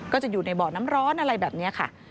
ก็จะอยู่ในบ่อน้ำร้อนอะไรแบบนี้ค่ะ